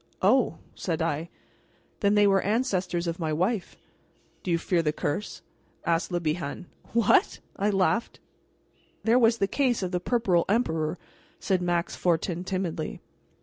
"Oh!" said I; "then they were ancestors of my wife." "Do you fear the curse?" asked Le Bihan. "What?" I laughed. "There was the case of the Purple Emperor," said Max Fortin timidly.